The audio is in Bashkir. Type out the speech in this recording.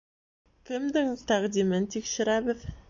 — Кемдең тәҡдимен тикшерәбеҙ?